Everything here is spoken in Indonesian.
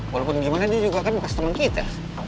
walaupun gimana dia juga kan bekas temen kita